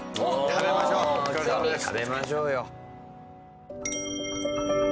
食べましょうよ。